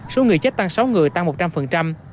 số người chết tăng sáu người tăng một trăm linh